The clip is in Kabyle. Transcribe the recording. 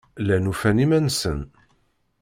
Llan ufan iman-nsen.